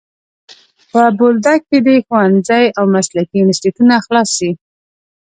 په بولدک کي دي ښوونځی او مسلکي انسټیټونه خلاص سي.